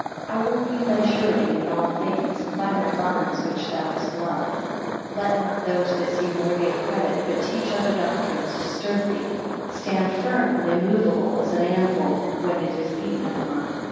I will be thy surety in all things, by my bonds, which thou halt loved. 13 Let not those that seem worthy of credit, but teach other doctrines, disturb thee. Stand firm and immoveable, as an anvil when it is beaten upon.